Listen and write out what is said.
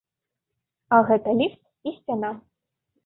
А гэта ліфт і сцяна.